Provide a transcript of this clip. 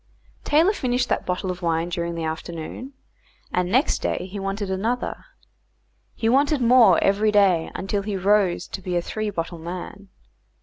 Taylor finished that bottle of wine during the afternoon, and next day he wanted another. He wanted more every day, until he rose to be a three bottle man.